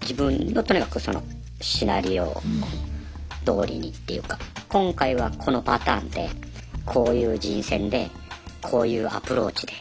自分のとにかくそのシナリオどおりにっていうか今回はこのパターンでこういう人選でこういうアプローチで。